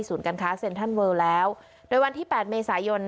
การค้าเซ็นทรัลเวิลแล้วโดยวันที่แปดเมษายน